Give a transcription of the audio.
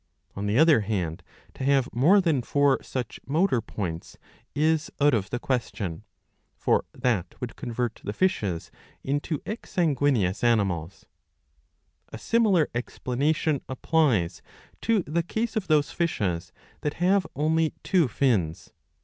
On the other hand, to have more than four such motor points is out of the question. For that would convert the fishes into ex sanguineous animals.^^ A similar explanation applies to the case of those fishes that have only two fins.